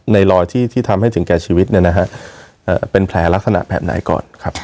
รอยที่ทำให้ถึงแก่ชีวิตเนี่ยนะฮะเป็นแผลลักษณะแบบไหนก่อนครับ